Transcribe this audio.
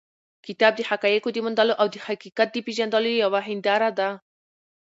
کتاب د حقایقو د موندلو او د حقیقت د پېژندلو یوه هنداره ده.